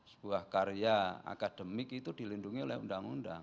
sebuah karya akademik itu dilindungi oleh undang undang